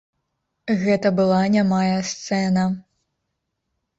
Гэта была нямая сцэна.